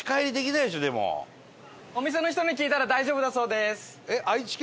お店の人に聞いたら大丈夫だそうです。